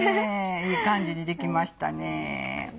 いい感じに出来ましたねお。